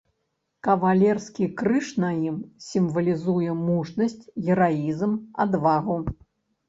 Кавалерскі крыж на ім сімвалізуе мужнасць, гераізм, адвагу.